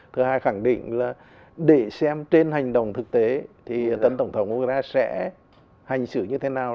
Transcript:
thứ hai khẳng định là để xem trên hành động thực tế thì tân tổng thống của người ta sẽ hành xử như thế nào